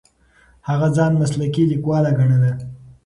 هغه ځان مسلکي لیکواله ګڼله.